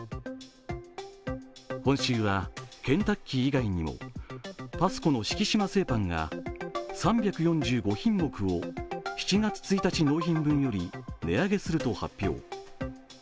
今週はケンタッキー以外にもＰａｓｃｏの敷島製パンが３４５品目を７月１日納品分より値上げすると発表。